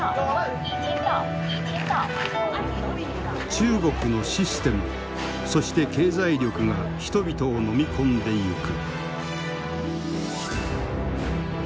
中国のシステムそして経済力が人々を飲み込んでいく。